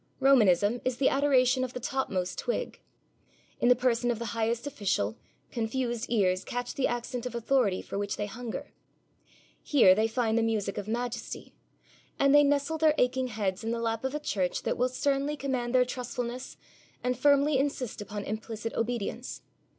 Romanism is the adoration of the topmost twig. In the person of the highest official, confused ears catch the accent of authority for which they hunger. Here they find the music of majesty. And they nestle their aching heads in the lap of a Church that will sternly command their trustfulness and firmly insist upon implicit obedience.